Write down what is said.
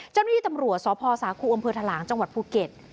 เจ้าหนี้ตำรวจสศคูย์อำเภอทะลางจังหวัดภูเก็ต